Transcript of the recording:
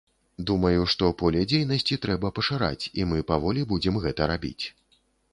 Думаю, што поле дзейнасці трэба пашыраць, і мы паволі будзем гэта рабіць.